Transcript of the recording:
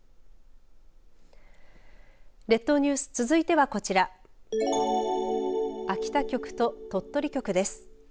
列島ニュース続いてはこちら秋田局と鳥取局です。